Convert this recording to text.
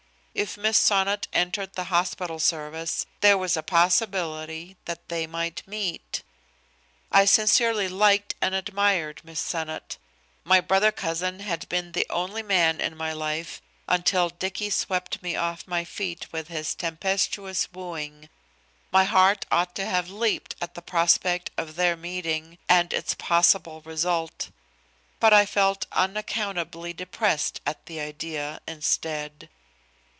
If Miss Sonnot entered the hospital service, there was a possibility that they might meet. I sincerely liked and admired Miss Sonnot. My brother cousin had been the only man in my life until Dicky swept me off my feet with his tempestuous wooing. My heart ought to have leaped at the prospect of their meeting and its possible result. But I felt unaccountably depressed at the idea, instead.